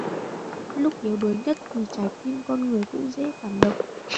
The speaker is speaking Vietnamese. Lúc yếu đuối nhất thì trái tim con người cũng dễ cảm động